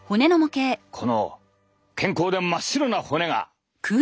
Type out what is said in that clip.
この健康で真っ白な骨が。